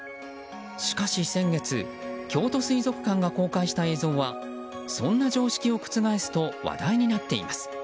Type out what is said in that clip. しかし、先月京都水族館が公開した映像はそんな常識を覆すと話題になっています。